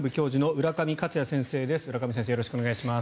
浦上先生よろしくお願いします。